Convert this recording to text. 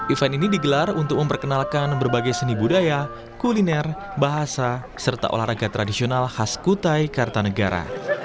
event ini digelar untuk memperkenalkan berbagai seni budaya kuliner bahasa serta olahraga tradisional khas kutai kartanegara